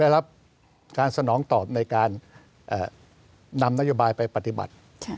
ได้รับการสนองตอบในการนำนโยบายไปปฏิบัติ